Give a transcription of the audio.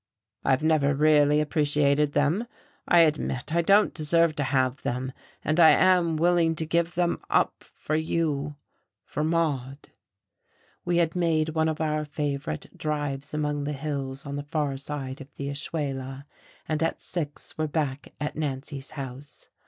"I have never really appreciated them. I admit I don't deserve to have them, and I am willing to give them up for you, for Maude..." We had made one of our favourite drives among the hills on the far side of the Ashuela, and at six were back at Nancy's house.